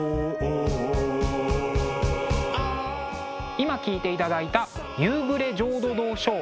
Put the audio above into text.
今聴いていただいた「夕暮れ、浄土堂ショー」。